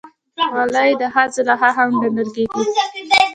خولۍ د ښځو لخوا هم ګنډل کېږي.